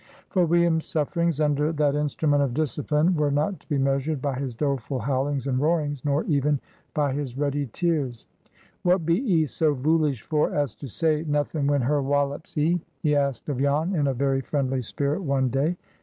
For William's sufferings under that instrument of discipline were not to be measured by his doleful howlings and roarings, nor even by his ready tears. "What be 'ee so voolish for as to say nothin' when her wollops 'ee?" he asked of Jan, in a very friendly spirit, one day.